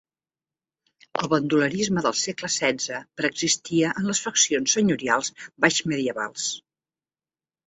El bandolerisme del segle setze preexistia en les faccions senyorials baixmedievals.